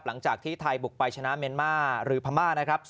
หลังจากที่ไทยบุกไปชนะเมียนมาร์หรือพม่านะครับ